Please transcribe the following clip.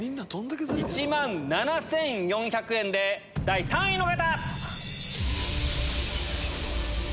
１万７４００円で第３位の方！